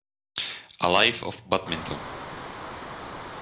A Life of Badminton".